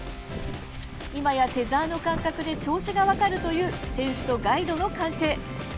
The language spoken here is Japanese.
いまや、テザーの感覚で調子が分かるという選手とガイドの関係。